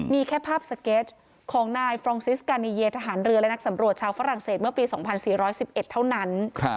มีแค่ภาพสเก็ตของนายฟรองซิสกานีเยียทหารเรือและนักสำรวจชาวฝรั่งเศสเมื่อปี๒๔๑๑เท่านั้น